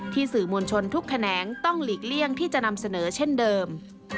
สื่อมวลชนทุกแขนงต้องหลีกเลี่ยงที่จะนำเสนอเช่นเดิม